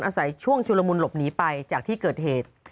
อาศัยช่วงชุดละมุนหลบหนีไปจากวัดเกิดเกิดเหตุ